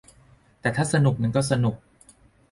แต่ถ้าสนุกมันก็สนุก